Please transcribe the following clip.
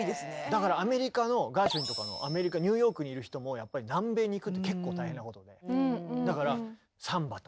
だからアメリカのガーシュウィンとかアメリカニューヨークにいる人もやっぱり南米に行くって結構大変なことで。